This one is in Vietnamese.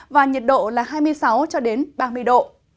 và nhiệt độ là hai mươi sáu ba mươi độ